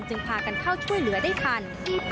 พากันเข้าช่วยเหลือได้ทัน